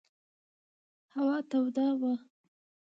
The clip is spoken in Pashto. هوا توده وه.